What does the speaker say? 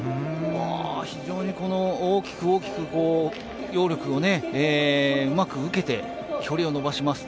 非常にこの大きく大きく揚力をうまく受けて距離を延ばします。